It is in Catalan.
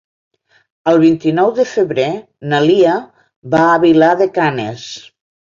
El vint-i-nou de febrer na Lia va a Vilar de Canes.